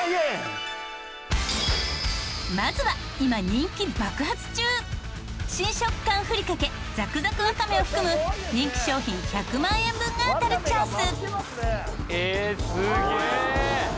まずは今人気爆発中新食感ふりかけザクザクわかめを含む人気商品１００万円分が当たるチャンス。